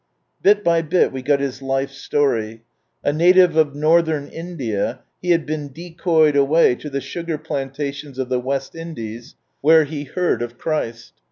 Bit by bit we got his life story. A native of Northern India, he had been decoyed away to the sugar plan tations of the West Indies, where he heard of Christ.